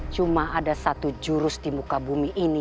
cuma ada satu jurus di muka bumi ini